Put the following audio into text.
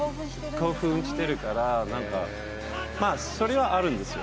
興奮してるから、なんか、まあそれはあるんですよ。